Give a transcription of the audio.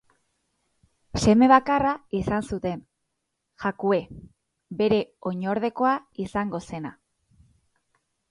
Seme bakarra izan zuten Jakue, bere oinordekoa izango zena.